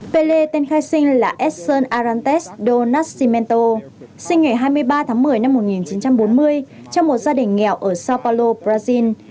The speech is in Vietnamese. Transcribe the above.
pele tên khai sinh là edson arantes do nascimento sinh ngày hai mươi ba tháng một mươi năm một nghìn chín trăm bốn mươi trong một gia đình nghèo ở sao paulo brazil